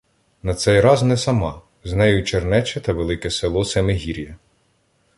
На цей раз не сама, з нею Чернече та велике село Семигір'я.